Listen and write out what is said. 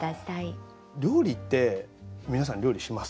料理って皆さん料理します？